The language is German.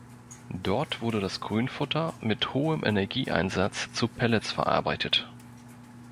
Dort wurde das Grünfutter mit hohem Energieeinsatz zu Pellets verarbeitet.